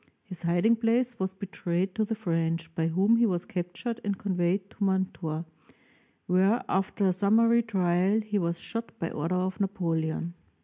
His hiding place was betrayed to the French, by whom he was captured and conveyed to Mantua, where, after a summary trial, he was shot by order of Napoleon.